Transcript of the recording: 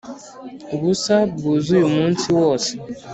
ubusa bwuzuye umunsi wose.